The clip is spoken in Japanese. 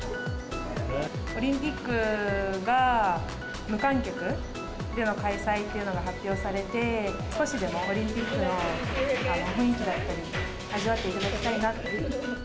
オリンピックが無観客での開催というのが発表されて、少しでもオリンピックの雰囲気だったりとか味わっていただきたいなと。